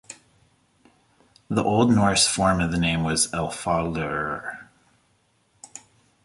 The Old Norse form of the name was "Elfardalr".